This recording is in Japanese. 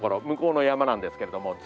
向こうの山なんですけれども。